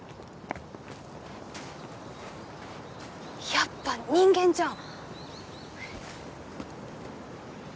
やっぱ人間じゃん！